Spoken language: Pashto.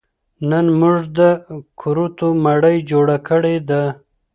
نن موږ د کورتو مړۍ جوړه کړې ده